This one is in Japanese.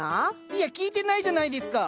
いや聞いてないじゃないですか！